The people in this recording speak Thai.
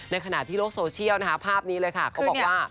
ขณะที่โลกโซเชียลนะคะภาพนี้เลยค่ะเขาบอกว่า